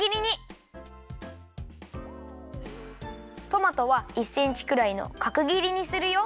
トマトは１センチくらいのかくぎりにするよ。